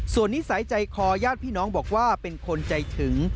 ส่วนนิสัยใจคอญาติพี่น้องบอกว่าเป็นคนใจถึง